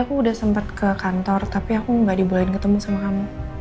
aku udah sempat ke kantor tapi aku nggak dibolehin ketemu sama kamu